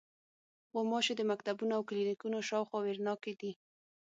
غوماشې د مکتبونو او کلینیکونو شاوخوا وېره ناکې دي.